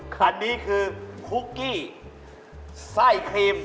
ค่ะอันนี้คือคุกกี้สร้ายครีม